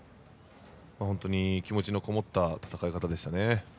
本当に気持ちのこもった戦い方でしたね。